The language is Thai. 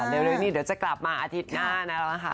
เร็วนี้เดี๋ยวจะกลับมาอาทิตย์หน้าแล้วนะคะ